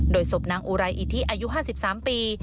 โดยศพนางอุไรอิทธิอายุ๕๓ปี